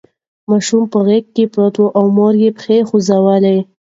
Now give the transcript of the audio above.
ماشوم په غېږ کې پروت و او مور یې پښه خوځوله.